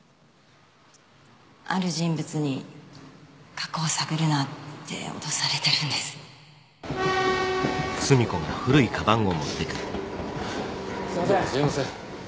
ある人物に「過去を探るな」って脅さすいませんすいません